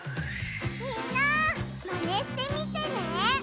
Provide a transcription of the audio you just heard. みんなマネしてみてね！